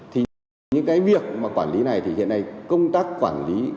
thì những cái việc mà quản lý này thì hiện nay công tác quản lý